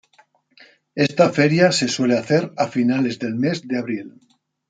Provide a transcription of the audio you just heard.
Esta feria se suele hacer a finales del mes de abril.